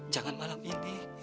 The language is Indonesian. jangan malam ini ya